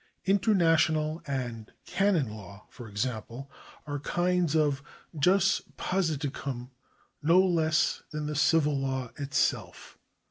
International and canon law, for example, are kinds oijus positicum no less than the civil law itself.